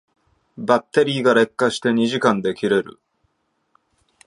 バッテリーが劣化して二時間で切れる